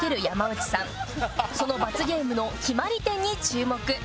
「その罰ゲームの決まり手に注目」